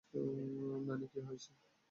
নানি, কী হয়েছে?